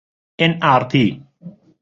ئێن ئاڕ تی